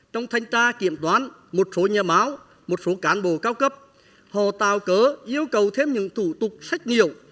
trong thanh tra kiểm toán một số nhà báo một số cán bộ cao cấp họ tạo cớ yêu cầu thêm những thủ tục sách nhiệu